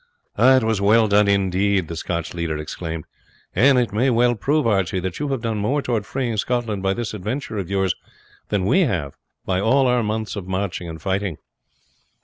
"It was well done, indeed," the Scottish leader exclaimed; "and it may well prove, Archie, that you have done more towards freeing Scotland by this adventure of yours than we have by all our months of marching and fighting."